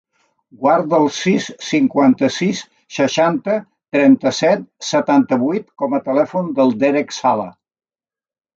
Guarda el sis, cinquanta-sis, seixanta, trenta-set, setanta-vuit com a telèfon del Derek Sala.